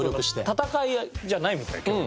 戦いじゃないみたい今日は。